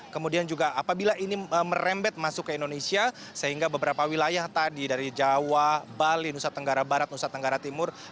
kemudian juga apabila ini merembet masuk ke indonesia sehingga beberapa wilayah tadi dari jawa bali nusa tenggara barat nusa tenggara timur